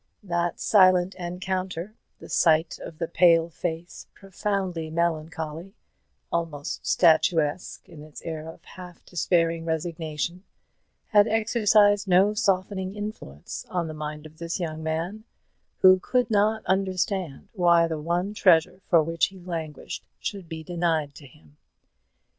That silent encounter the sight of the pale face, profoundly melancholy, almost statuesque in its air of half despairing resignation had exercised no softening influence on the mind of this young man, who could not understand why the one treasure for which he languished should be denied to him.